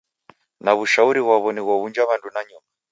Na w'ushauri ghwaw'o ni ghow'unja w'andu nanyuma.